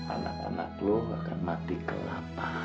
anak anak lu akan mati kelaparan